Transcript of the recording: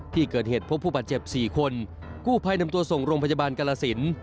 ที่เกิดเหตุพบผู้บาดเจ็บ๔คนกู้ภัยนำตัวส่งโรงพยาบาลกรสิน